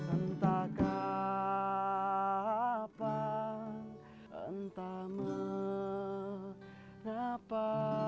entah kapan entah mengapa